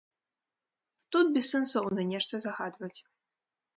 Тут бессэнсоўна нешта загадваць.